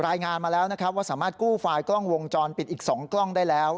รายงานมาแล้วนะครับว่าสามารถกู้ไฟล์กล้องวงจรปิดอีก๒กล้องได้แล้ว